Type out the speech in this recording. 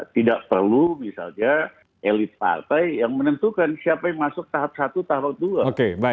tidak perlu misalnya elit partai yang menentukan siapa yang masuk tahap satu tahap dua